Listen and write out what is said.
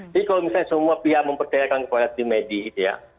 jadi kalau misalnya semua pihak mempercayakan kualitas di medis ya